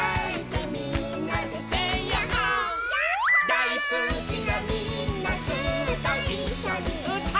「だいすきなみんなずっといっしょにうたおう」